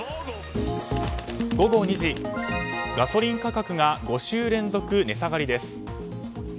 午後２時、ガソリン価格が５週連続値下がりです。